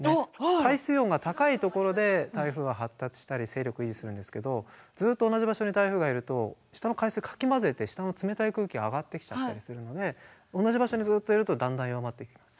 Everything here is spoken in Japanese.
海水温が高いところで台風は発達したり勢力を維持するんですけどずっと同じ場所に台風がいると下の海水をかき混ぜて下の冷たい空気が上がってきちゃったりするので同じ場所にずっといるとだんだん弱まってきます。